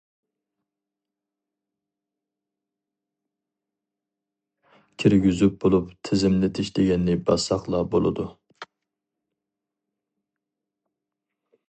كىرگۈزۈپ بولۇپ «تىزىملىتىش» دېگەننى باسساقلا بولىدۇ.